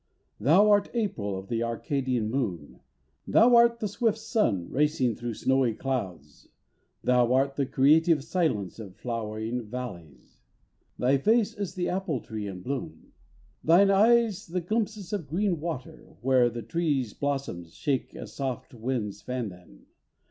Thou art April of the Arcadian moon, Thou art the swift sun racing through snowy clouds, Thou art the creative silence of flowering valleys. Thy face is the apple tree in bloom; Thine eyes the glimpses of green water When the tree's blossoms shake As soft winds fan them.